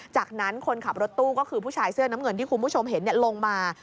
จากนั้นคนขับรถตู้ก็คือผู้ชายเสื้อน้ำเงินที่คุณผู้ชมเห็นลงมา